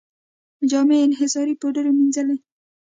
جامې یې انحصاري پوډرو مینځلې.